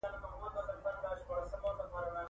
خپله پښه يې ټينګه نيولې وه بوغارې يې وهلې.